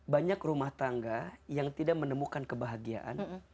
banyak rumah tangga yang tidak menemukan kebahagiaan